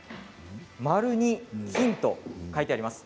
丸に金と書かれてあります。